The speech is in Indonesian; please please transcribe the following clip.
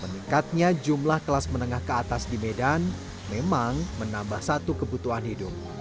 meningkatnya jumlah kelas menengah ke atas di medan memang menambah satu kebutuhan hidup